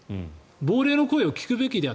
亡霊の声を聞くべきだ